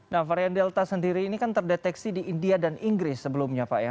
nah varian delta sendiri ini kan terdeteksi di india dan inggris sebelumnya pak ya